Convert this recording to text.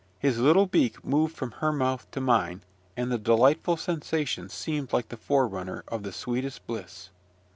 His little beak moved from her mouth to mine, and the delightful sensation seemed like the forerunner of the sweetest bliss.